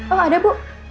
oh ada bu